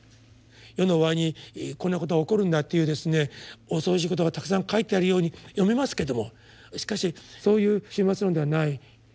世の終わりにこんなことが起こるんだっていう恐ろしいことがたくさん書いてあるように読めますけどもしかしそういう終末論ではない。